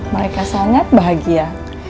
mereka sangat bahagia